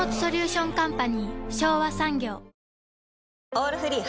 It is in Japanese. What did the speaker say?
「オールフリー」